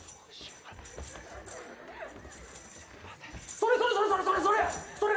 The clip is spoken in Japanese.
それそれそれそれ！